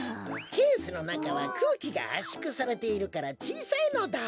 ケースのなかはくうきがあっしゅくされているからちいさいのだ！